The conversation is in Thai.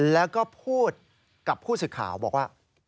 แล้วก็พูดกับผู้สื่อข่าวบอกว่า